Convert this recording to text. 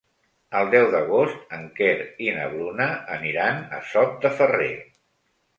El deu d'agost en Quer i na Bruna aniran a Sot de Ferrer.